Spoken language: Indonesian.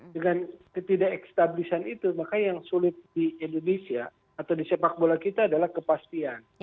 dengan ketidak established an itu maka yang sulit di indonesia atau di persepakbola kita adalah kepastian